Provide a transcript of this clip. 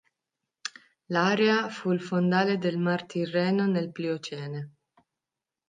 L'area fu il fondale del Mar Tirreno nel Pliocene.